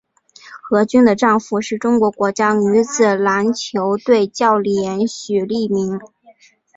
何军的丈夫是中国国家女子篮球队教练许利民。